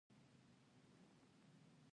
افغانستان د خپل کندز سیند یو کوربه دی.